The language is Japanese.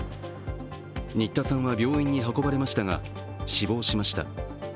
新田さんは病院に運ばれましたが死亡しました。